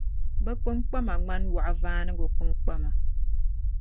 bɛ kpiŋkpama ŋmani waɣivaanigu kpinkpama.